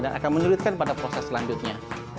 dan akan menuliskan pada proses selanjutnya